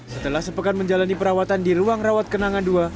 setelah sepekan menjalani perawatan di ruang rawat kenangan dua